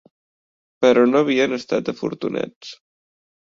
Però no havien estat afortunats.